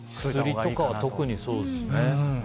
薬とかは特にそうですね。